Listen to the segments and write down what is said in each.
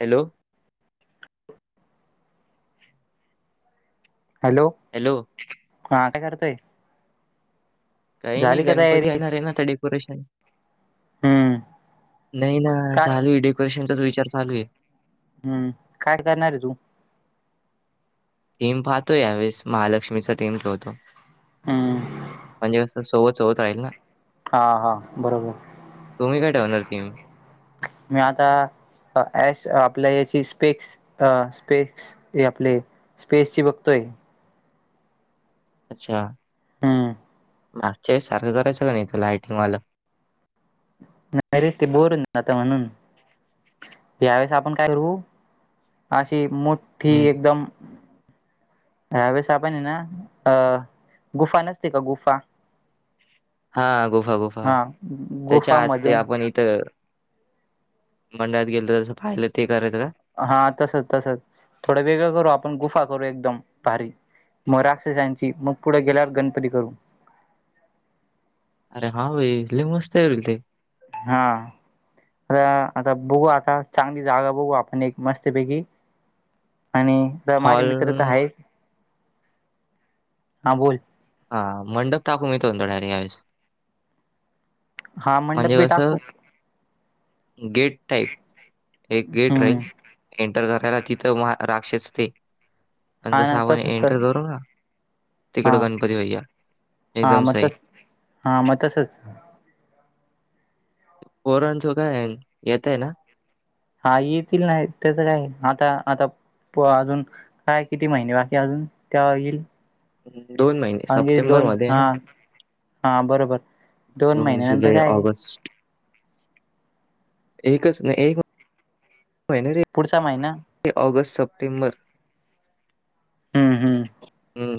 Hello hello hello hello हा काय करतोय काही नाही झाली का गणपती तयारी येणारे ना तर डेकोरेशन हम्म नाही ना काय चालूये डेकोरेशनचाच विचार चालू आहे हम्म काय करणार ये तू थीम पाहतो यावेळेस महालक्ष्मीचा थीम ठेवतो. हम्म म्हणजे कसं सोबत सोबत राहील ना हां हां बरोबर. तुम्ही काय ठेवणार थीम मी आता अ एष आपल्या याची स्पेक्स अ स्पेक्स हे आपले स्पेस ची बघतोय. अच्छा हूं मागच्या वेळेस सारखं करायचं का नायत लायटिंगवालं. नाय रे ते बोर होईल आता म्हणून यावेेळेस आपण काय करू अशी मोठ्ठी हं. एकदम ह्या वेळेस आपण हाय ना गुफा नसते का गुफा हा गुफा गुफा हा त्याच्या आत ते गुफामधून आपण इथ मंडळात गेलतो जसं पाहिलं ते करायचं का? हा तसच तसच थोडं वेगळं करू आपण गुफा करू एकदम भारी म राक्षसांची मग पुढ गेल्यावर गणपती करू. अरे हा भाई लय मस्त होईल ते हा हा आता बघू आता चांगली जागा बघू आपण एक मस्तपैकी आणि दा माझे हॉल मित्र त आहेच हा बोल हा मंडप टाकू मी त म्हणतो डायरेक्ट यावेळेस हा मंडप म्हणजे बी कस, टाकू गेट टाईप एक गेट हम्म राहील एंटर करायला तिथं म राक्षस ते आणि हा जसं ना आपण तसच तर एंटर करू ना हा तिकडं गणपती भैया हा एकदम मग सई तस हा म तसच पोरांचो काय ये येतय ना हा येतील नाहीत त्यांच काय आता आता प अजून काय किती महिने बाकी अजून तेवा येईल. दोन महि आणखी दोन हा हा बरोबर. दोन चोवीस महिन्यानंतर जुलै काय ऑगस्ट एकच न व्हय ना रे पुढचा महिना ते ऑगस्ट, सप्टेंबर हम्म हम्म हम्म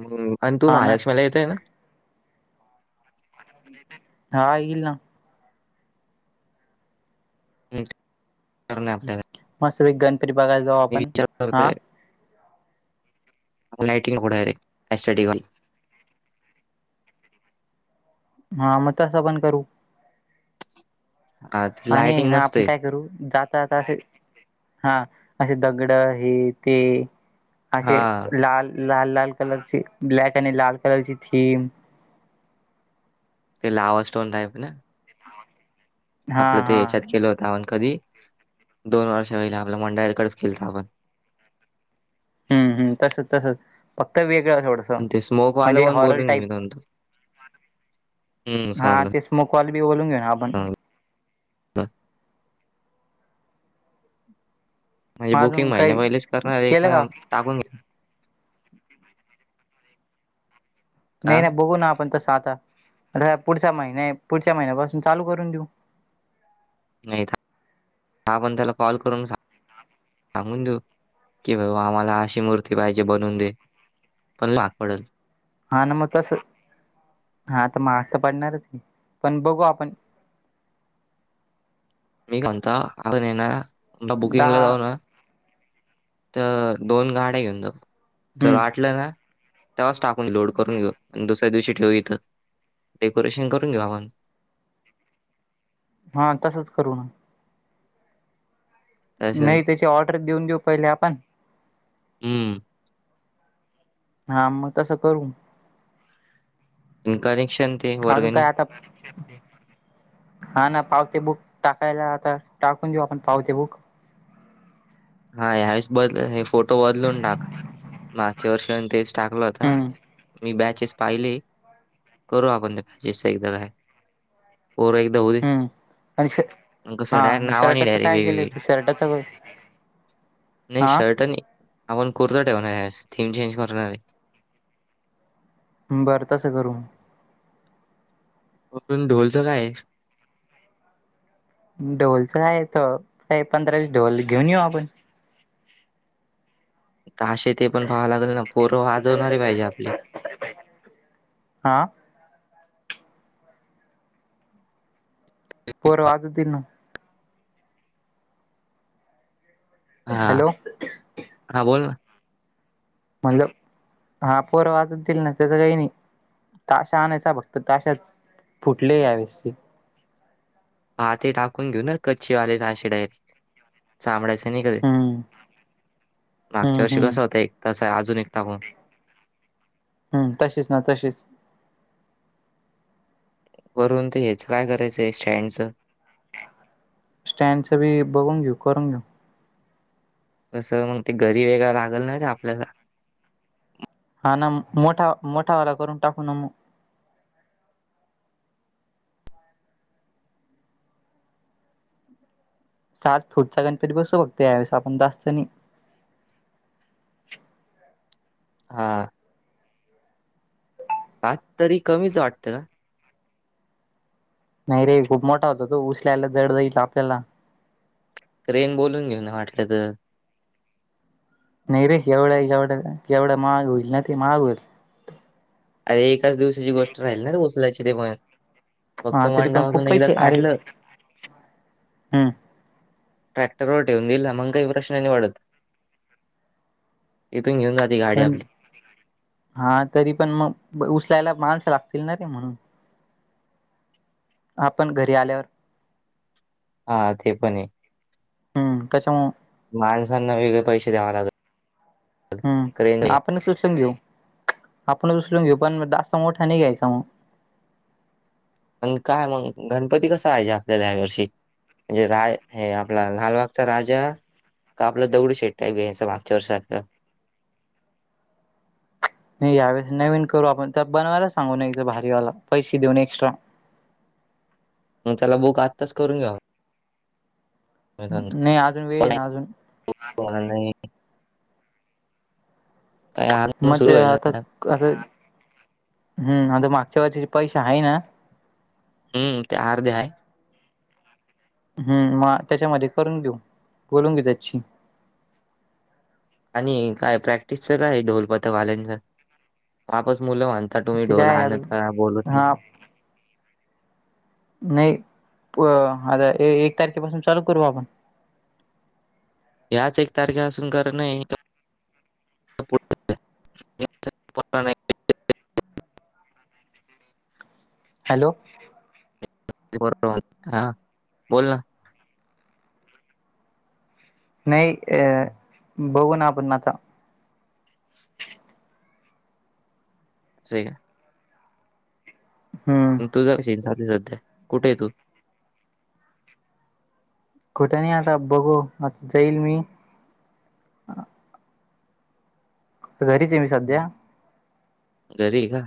मग आणि तू हा ना महालक्ष्मीला येतय ना? हा येईल ना. तेच करणे आपल्याक मासवेक गण तरी बघायला जाऊ. मी आपण विचार हा करतोय आपण लाइटी टाकू डायरेक्ट ऍसिडि वाला हा म तस पण करू हां, ती आणि ये लाइटिंग ना मस्त आपण आहे. काय करू जाता जाता असे हा असे दगड हे ते असे हां, लाल लाल लाल कलर चे ब्लॅक आणि लाल कलर ची थीम ते लावा स्टोन टाईप ना हा आपलं ते हा याच्यात केलं होतं आपण कधी दोन वर्ष होईल आपलं मंडाळाकडच केलत आपण हम्म हम्म तसच तसच फक्त वेगळं थोडं आणि ते स्मोक वालं पण बोलून घे मी नंतर हम्म सांगल बुकवाली बी बोलून घे ना आपण [unintelligible] म्हणजे बुकिंग अजून महिन्या काही पहिलेच करणार ये का टाकून घ्यायच नाही नाय हां, बघू ना आपण तस आता आणि हा पुढचा महिन्या ये पुढच्या महिन्यापासून चालू करून देऊ नायत आपण त्याला कॉल करून सांग सांगून देऊ की बाबा आम्हाला अशी मूर्ती पाहिजे बनून दे. पण महाग पडलं. हा ना म तस हा त महाग त पडणारच ये पण बघू आपण मीकाय म्हणतो आपण ये ना समजा बुकिंगला दहा जाऊ ना त दोन गाड्या घेऊन जाऊ जर हम्म वाटलं ना तेव्हाच टाकून लोड करून घेऊ अनं दुसऱ्या दिवशी ठेवू इथं डेकोरेशन करून घेऊ आपण. हा तसच करू ना. तसं नाही त्याची ऑर्डर देऊन देऊ पहिले आपण हम्म हा म तसं करू आणि करेक्शन अजून काय आता हा ना पावती बुक टाकायला आता टाकून देऊ आपण पावती बुक हा ह्यावेळेस बद हे फोटो बदलून टाक मागच्या वर्षी पण तेच टाकला होता हम्म मी बॅचेस पाहिले. करू आपण ते जे सही लग रहा पोरं एकदा होई हम्म आणि श हा आणि शर्टाच डायरेक्ट काय केलंय वेगवेगळी तू शर्टाचं नाही हा शर्ट नई आपण कुर्ता ठेवणार ह्यावेळेस थीम चेंज करू यावेळी बरं तसं करू म ओपन ढोलचं काय ये ढोलच आहेत काय पंधरा वीस ढोल घेऊन येऊ आपण. ताशे ते पण पाहाव लागल ना पोर वाजवणारे पाहिजे आपली. हा पोरं वाजवतीन नं हा, हॅलो हा बोल ना म्हणलं हा पोर वाचततील ना त्याचं काही नाही. ताशा आणायचा फक्त ताश्या फुटले यावेळेशी हा ते टाकून घेऊ ना कच्चे वाले ताशे डायर चामड्याच नाय का ते हम्म मागच्या हम्म वर्षी हम्म कस होत एक तसा अजून एक टाकू हम्म तशीच ना तशीच वरून तर हेच काय करायचंय स्टँडचं स्टँडच बी बघून घेऊ करून घेऊ. कस मग ते घरी वेगं लागल ना र आपल्याला हा ना मोठा मोठावाला करून टाकू ना मग. सात फुट चा गणपती बसू फक्त. यावेळेस आपण जास्त नाही. हा. सात तरी कमीच वाटतं का? नाही रे खूप मोठा होता तो उसलायला जड जाईल आपल्याला. तर येण बोलून घेन वाटलं तर नाही रे एवढा -एवढा -एवढा महाग होईल ना महाग होईल. अर एकाच दिवसाची गोष्ट राहील ना रे उचलायची ते पण फक्त हा तरी पण खूप मंडामधून एकदा पैसे अरे काढलं हम्म ट्रॅक्टर वर ठेऊन दिल. मग काही प्रश्न नि वाढत इथून घेऊन जात पण हा तरी पण मग उचलायला माणसं लागतील ना रे म्हणून आपण घरी आल्यावर हा ते पणेय. ह त्याच्यामुळ माझ्या संग वेगळे पैशे द्याव लागत हम् क्रेन आहे. आपणच उचलून घेऊ. आपणच उचलून घेऊ. पण जास्त मोठा नाही घ्यायचा मग आणि काय मग गणपती कसा आहे हि आपल्याला यावर्षी म्हणजे राय हे आपला लालबागचा राजा का आपलं दगडू शेेट घ्यायचं मागच्या वर्षा सारख नाही यावेेळेस नवीन करू आपण त्यात बनवायला सांगू न भारीवाला पैशे देऊन एक्स्ट्रा मग त्याला बुक आत्ताच करून घ्याव [unintelligible] नाही अजून वेळ आहे ना अजून नाही. काय आंदोलन मग सुरू ते होईल आता ना कसं? हम्म आता मागच्या वरषाचे पैशे आहे ना? हम्म ते अर्धे आहे. हम्म म त्याच्यामध्ये करून घेऊ बोलून घे त्याची आणि काय प्रॅक्टिसच काय ढोलपात वाल्यांच आपस मुलं वाध आता तुम्ही ते ढोल काय आता आणता बोलत नाही. हा नाही प आता ए -एक तारखेपासून चालू करू आपण. याच एक तारखेपासून कर नाही [unintelligible] हॅलो! [unintelligible] हा बोल ना. नाही अ बघू ना आपूण आता. असय का? हम्म. तुझा [unintelligible] कुठेय तू? कुठ नई आता बघू आता जाईल मी. घरीच आहे मी सध्या. घरीय का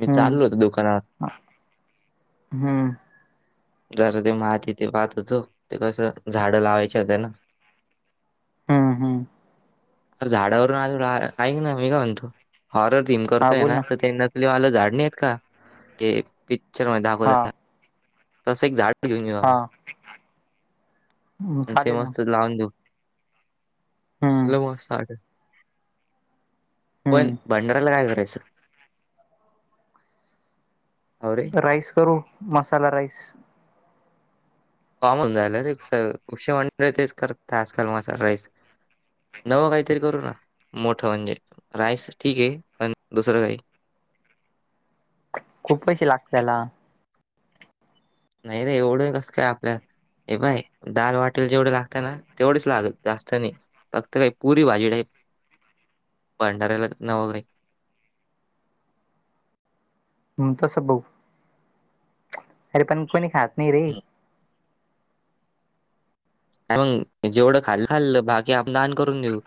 मी हम्म चाललो होतो दुकानात. हम्म. जरा ते माती ते पाहत होतो. ते कसं झाडं लावायच्या होत ना. हम्म हम्. अर झाडावरून आज ऐक ना मी का म्हणतो हॉरर थीम हा करतोय बोल ना. तर त्यांना ते वाल झाड नाही आहेत का ते पिक्चर मध्ये दाखवता हा तसा तस एक झाड ते घेऊन येऊ हा आपण, ते चालेल ना मस्त लावून देऊ. हम्म लाऊ मग साध. पण हम्म भंडाऱ्याला काय करायचं? अरे! राईस करू मसाला राईस. कॉमन झाल रे तेच [unintelligible] आजकाल मसाला राईस. नवं काहीतरी करू ना मोठं म्हणजे राईस ठीक आहे पण दुसरं काहीतरी. खूप पैसे लागतात त्याला. नाहीरे एवढं कसं काय आपल्यात. हे पहाय दाल वाटेल जेवढे लागत ना तेवढेच लागल जास्त नाही. फक्त काही पुरी भाजी टाईप आहे भांडऱ्याला नवकाही. तसं बघू अरे पण कोणी खात नाही रे. मग जेवढं खाल्लं खाल्लं भात. आपण दान करून देऊ.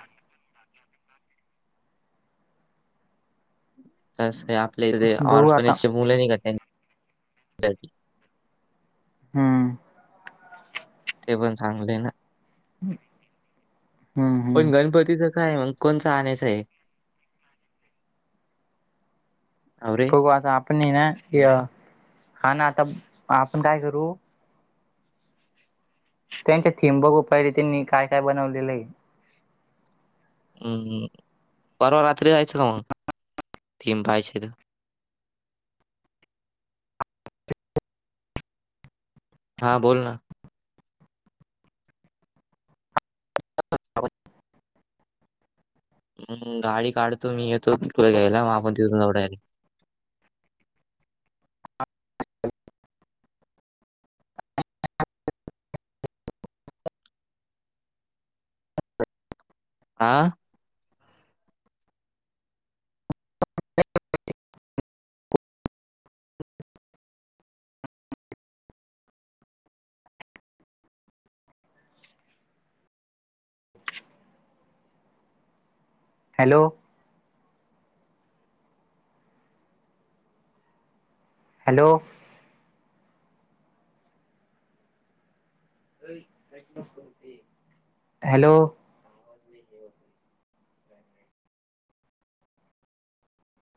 तस आपल्या इथे बघू आता ऑर्फनेजचे मुलं नाही का त्यांना. हम्म ते पण चांगलय ना हम्म हम्म पण गणपतीच काय मग कोणचं आणायचं आहे? अरे बघू आता आपण ना हा ना आता आपण काय करू त्यांच्या थीम बघू पहिले त्यांनी काय काय बनवलेलं आहे. हम्म हम्म परवा रात्री जायचं का मग थीम पहायची तर? हां बोल ना. हम्म गाडी काढतो मी येतो तुला घ्यायला मग आपण तिथून जाऊ डायरेक्ट. हां हॅलो हॅलो हॅलो